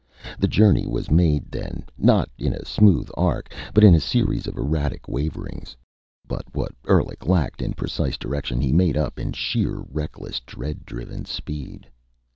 The journey was made, then, not in a smooth arc, but in a series of erratic waverings. But what Endlich lacked in precise direction, he made up in sheer reckless, dread driven speed.